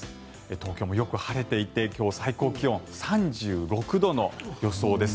東京もよく晴れていて今日最高気温３６度の予想です。